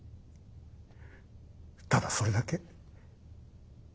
ただそれだけ。